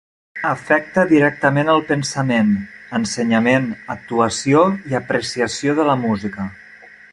Afecta directament el pensament, ensenyament, actuació i apreciació de la música.